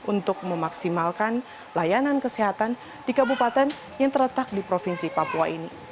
untuk memaksimalkan layanan kesehatan di kabupaten yang terletak di provinsi papua ini